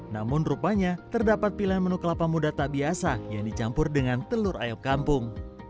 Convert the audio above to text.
namun rupanya terdapat pilihan menu kelapa muda tak biasa yang dicampur dengan telur ayam kampung